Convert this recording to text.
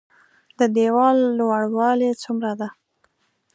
د ديوال لوړوالی څومره ده؟